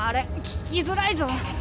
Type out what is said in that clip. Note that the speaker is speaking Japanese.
聞きづらいぞ。